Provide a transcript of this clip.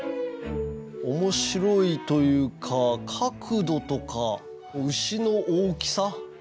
面白いというか角度とか牛の大きさ。